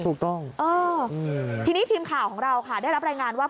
ถูกต้องเออทีนี้ทีมข่าวของเราค่ะได้รับรายงานว่า